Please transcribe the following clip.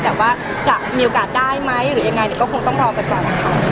แต่ว่าจะมีโอกาสได้ไหมหรือยังไงก็คงต้องรอกันก่อนค่ะ